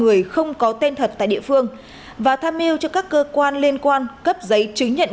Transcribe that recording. người không có tên thật tại địa phương và tham mưu cho các cơ quan liên quan cấp giấy chứng nhận